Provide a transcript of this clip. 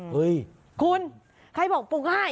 เฮ้ยคุณใครบอกปลูกง่าย